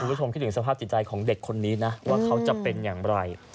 คุณผู้ชมคิดถึงสภาพจิตใจของเด็กคนนี้นะว่าเขาจะเป็นอย่างไร